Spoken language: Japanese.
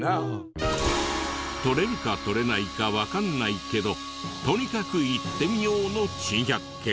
撮れるか撮れないかわかんないけどとにかく行ってみようの珍百景。